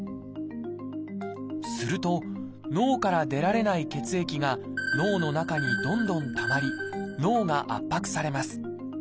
すると脳から出られない血液が脳の中にどんどんたまり脳が圧迫されます。